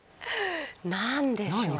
何でしょう？